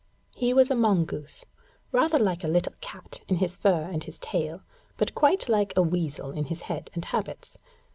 He was a mongoose, rather like a little cat in his fur and his tail, but quite like a weasel in his head and habits.